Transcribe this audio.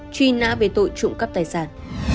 truy nã về tội trộm cắp tài sản